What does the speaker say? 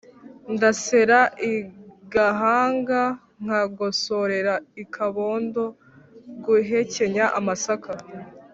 Ndasera igahanga nkagosorera ikabondo-Guhekenya amasaka.